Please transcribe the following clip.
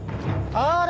あれ。